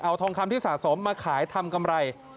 เอาทองคำที่สะสมมาขายทำกำไร